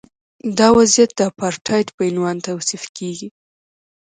دا وضعیت د اپارټایډ په عنوان توصیف کیږي.